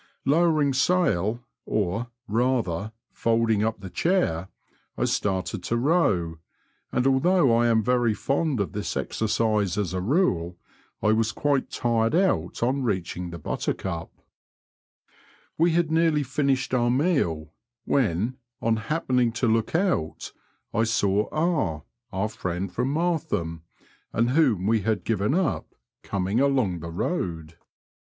Lowering sail, or, rather, folding up the chair, I started to row, and although I am very fond of this exercise as a rule, I was quite tired out on reaching the Buttercup. We had nearly finished our meal, when, on happening to look out, I saw K , our friend from Martham, and whom yGoogV 106 BROADS AND RIVERS OP NORFOLK AND SUFFOLK. we had given up, coming along the road.